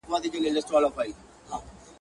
ماما مه پوښته، خورجين ئې پوښته.